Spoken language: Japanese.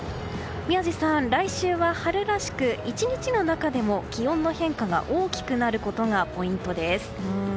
宮司さん来週は春らしく、１日の中でも気温の変化が大きくなることがポイントです。